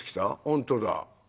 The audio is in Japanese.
「本当だ。